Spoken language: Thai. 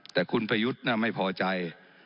แต่คุณประยุทธ์ไม่พอใจ